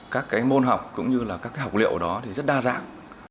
các cái môn học cũng như là các cái học liệu đó thì rất đa dạng